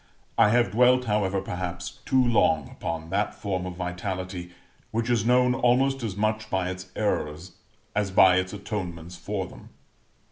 I have dwelt, however, perhaps, too long upon that form of vitality which is known almost as much by its errors as by its atonements for them.